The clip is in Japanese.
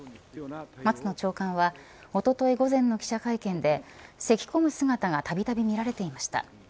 松野長官はおととい午前の記者会見でせき込む姿がたびたび見られていました。